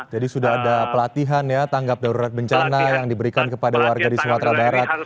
jadi sudah ada pelatihan ya tanggap darurat bencana yang diberikan kepada warga di sumatera barat